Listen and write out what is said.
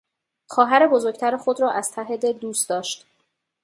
خواهر بزرگتر خود را از ته دل دوست داشت.